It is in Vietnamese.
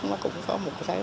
nó cũng có một cái